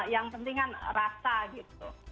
yang penting kan rasa gitu